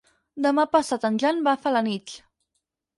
Demà passat en Jan va a Felanitx.